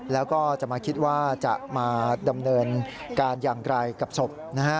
แล้วก็จะมาคิดว่าจะมาดำเนินการอย่างไรกับศพนะฮะ